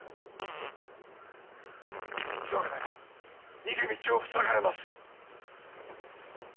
急がねば逃げ道を塞がれます。